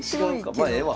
まあええわ。